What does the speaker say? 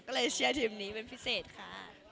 ก็เลยเชื่อทีมนี้เป็นพิเศษค่ะ